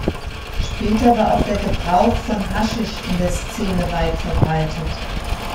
Später war auch der Gebrauch von Haschisch in der Szene weit verbreitet.